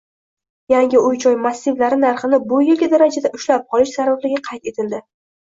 Yangi uy-joy massivlari narxini bu yilgi darajada ushlab qolish zarurligi qayd etilding